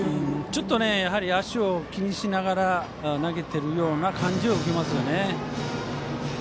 ちょっと足を気にしながら投げているような感じを受けます。